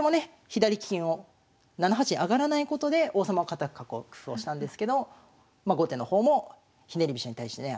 左金を７八に上がらないことで王様を堅く囲う工夫をしたんですけど後手の方もひねり飛車に対してね